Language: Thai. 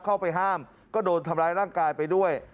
เข้าไปห้ามก็โดนทำร้ายร่างกายไปด้วย